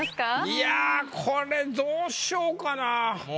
いやこれどうしようかな。